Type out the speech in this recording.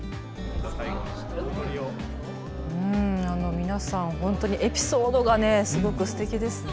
皆さん本当にエピソードがすごくすてきですね。